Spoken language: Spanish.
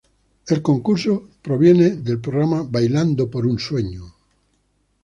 El concurso es proveniente del programa Bailando por un Sueño.